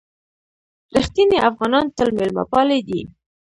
رښتیني افغانان تل مېلمه پالي دي.